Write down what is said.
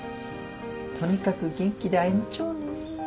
とにかく元気で会いまちょうね。